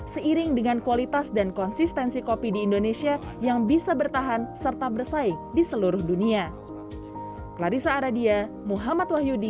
seiring dengan kualitas dan konsistensi kopi di indonesia yang bisa bertahan serta bersaing di seluruh dunia